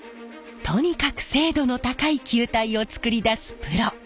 とにかく精度の高い球体を作り出すプロ。